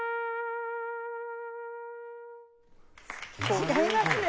違いますね。